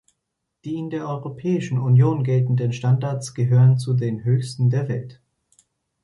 Die in der Europäischen Union geltenden Standards gehören zu den höchsten der Welt.